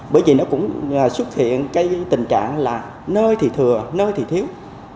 bởi vì nó cũng xuất hiện cái tình trạng là nơi thì thừa nơi thì thiếu